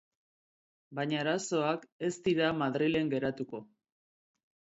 Baina arazoak ez dira Madrilen geratuko.